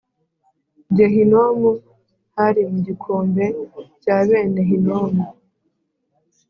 gehinomu hari mu gikombe cya bene hinomu